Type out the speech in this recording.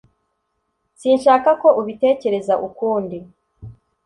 Sinshaka ko ubitekereza ukundi